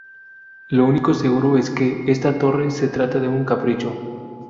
Lo único seguro es que esta torre se trata de un capricho.